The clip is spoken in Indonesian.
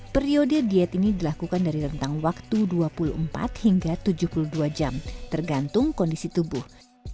periode diet ini dilakukan dari rentang waktu dua puluh empat hingga tujuh puluh dua jam tergantung kondisi tubuh